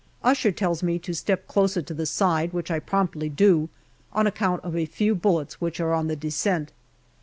Usher tells me to step closer to the side, which I promptly do, on account of a few bullets which are on the descent.